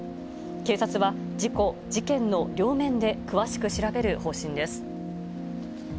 警察は、事故・事件の両面で詳しく調べる方針です。